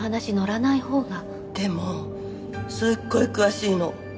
でもすっごい詳しいの。